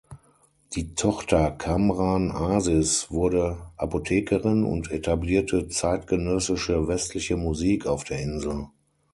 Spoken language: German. Die Tochter Kamran Aziz wurde Apothekerin und etablierte zeitgenössische westliche Musik auf der Insel.